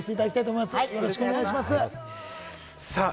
ではよろしくお願いします。